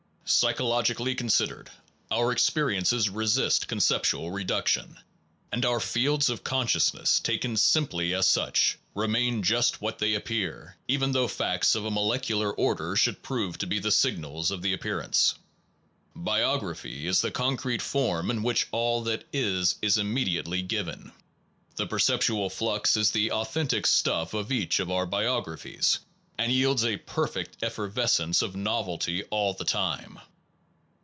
Psycho logically considered, our experiences resist con ceptual reduction, and our fields of conscious ness, taken simply as such, remain just what they appear, even though facts of a molecular order should prove to be the signals of the appearance. Biography is the concrete form in which all that is is immediately given; the perceptual flux is the authentic stuff of each of our biographies, and yields a perfect efferves cence of novelty all the time.